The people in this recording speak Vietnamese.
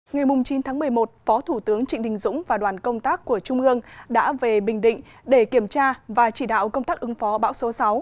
ngày chín tháng một mươi một phó thủ tướng trịnh đình dũng và đoàn công tác của trung ương đã về bình định để kiểm tra và chỉ đạo công tác ứng phó bão số sáu